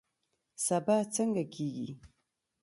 سبا څنګه کیږي؟